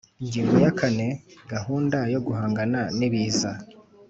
Ingingo ya kane Gahunda yo guhangana n ibiza